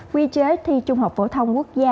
quy chế thi trung học phổ thông quốc gia